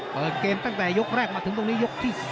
เปิดเกมตั้งแต่ยกแรกมาถึงตรงนี้ยกที่๓